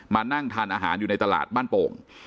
มานั่งทานอาหารอยู่ในตลาดบ้านโป่ง